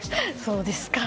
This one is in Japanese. そうですか。